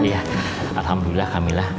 iya alhamdulillah kamilah